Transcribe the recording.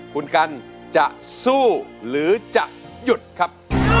คุณกันจะสู้หรือจะหยุดครับ